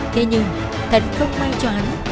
thế nhưng thật không may cho hắn